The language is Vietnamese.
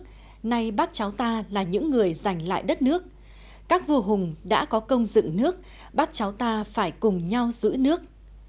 hôm nay bác cháu ta là những người giành lại đất nước các vua hùng đã có công dựng nước bắt cháu ta phải cùng nhau giữ nước